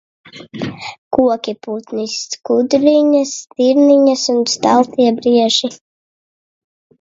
Koki, putni, skudriņas, stirniņas un staltie brieži.